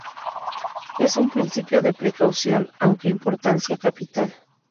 Es un principio de precaución aunque de importancia capital.